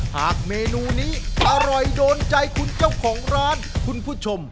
หากเมนูนี้อร่อยโดนใจคุณเจ้าของร้านคุณผู้ชม